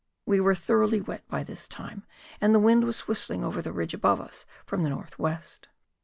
We were thoroughly wet by this time, and the wind was whistling over the ridge above us from the north west.